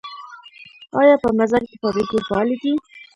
آیا په مزار کې فابریکې فعالې دي؟